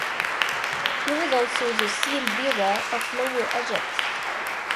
He was also the 'Seal-bearer of Lower Egypt.'.